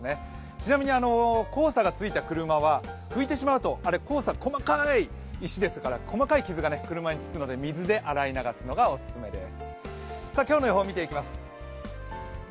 ちなみに黄砂がついた車は拭いてしまいと黄砂、細かい石ですから、細かい傷が車につくので水で洗い流すのがおすすめです。